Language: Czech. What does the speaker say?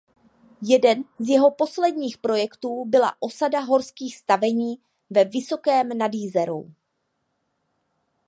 Jeden z jeho posledních projektů byla osada horských stavení ve Vysokém nad Jizerou.